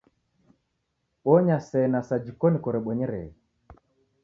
Bonya sena sa iji koni korebonyereghe